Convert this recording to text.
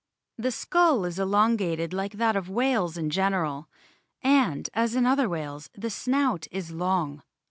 The skull is elongated like that of whales in o general ; and, as in other whales, the snout is long.